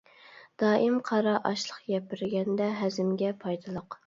دائىم قارا ئاشلىق يەپ بەرگەندە، ھەزىمگە پايدىلىق.